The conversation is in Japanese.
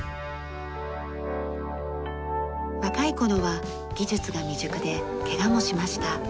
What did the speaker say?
若い頃は技術が未熟でけがもしました。